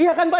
iya kan pak